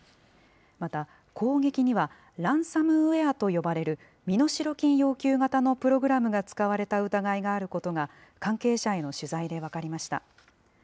また攻撃には、ランサムウェアと呼ばれる身代金要求型のプログラムが使われた疑いがあることが、関係者への取材で分かりました。